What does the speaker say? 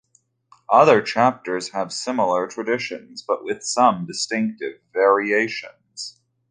Other chapters have similar traditions, but with some distinctive variations.